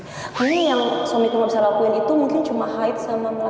tapi yang suamiku gak bisa lakuin itu mungkin cuma hide sama melahirkan